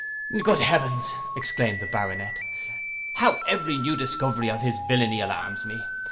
'Good heavens!' exclaimed the Baronet, 'how every new discovery of his villainy alarms me.